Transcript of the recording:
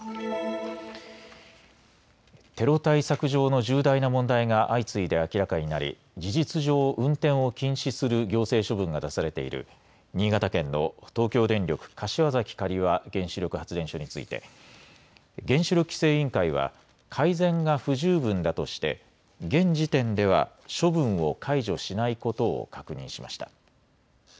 テロ対策上の重大な問題が相次いで明らかになり事実上、運転を禁止する行政処分が出されている新潟県の東京電力柏崎刈羽原子力発電所について原子力規制委員会は改善が不十分だとして現時点では処分を解除しないことを確認しました。